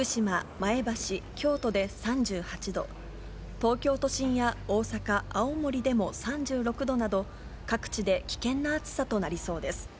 前橋、京都で３８度、東京都心や大阪、青森でも３６度など、各地で危険な暑さとなりそうです。